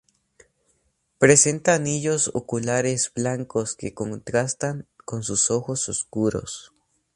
Presenta anillos oculares blancos que contrastan con sus ojos oscuros.